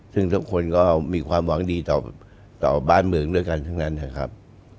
ซึ่งทุกคนก็มีความหวังดีต่อบ้านเมืองด้วยกันทั้งนั้นนะครับ